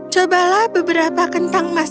coba beli beberapa kentang emas